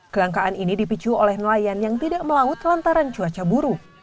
kelangkaan ini dipicu oleh nelayan yang tidak melaut lantaran cuaca buruk